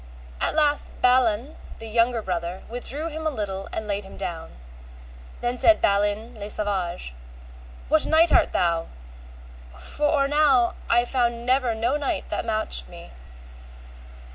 At last Balan the younger brother withdrew him a little and laid him down. Then said Balin le Savage, What knight art thou? for or now I found never no knight that matched me.